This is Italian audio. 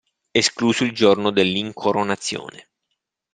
Escluso il giorno dell'incoronazione.